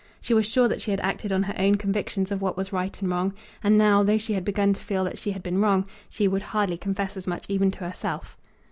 She was sure that she had acted on her own convictions of what was right and wrong; and now, though she had begun to feel that she had been wrong, she would hardly confess as much even to herself.